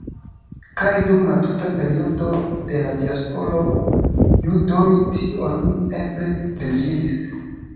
Kaj dum la tuta periodo de la Diasporo judoj tion eble deziris.